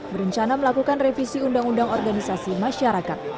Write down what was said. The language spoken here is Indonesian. berencana melakukan revisi undang undang organisasi masyarakat